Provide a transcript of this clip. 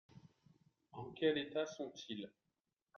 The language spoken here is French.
En quel état sont-ils ?